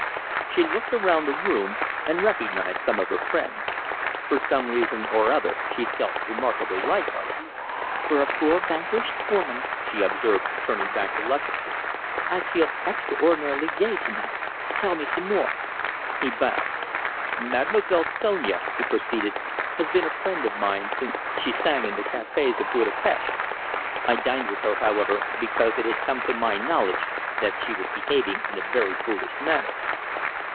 She looked around the room and recognised some of her friends. For some reason or other she felt remarkably light hearted. "For a poor vanquished woman," she observed, turning back to Lutchester, "I feel extraordinarily gay to night. Tell me some more." He bowed. "Mademoiselle Sonia," he proceeded, "has been a friend of mine since she sang in the cafes of Buda Pesth. I dined with her, however, because it had come to my knowledge that she was behaving in a very foolish manner."